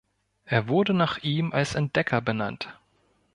Er wurde nach ihm als Entdecker benannt.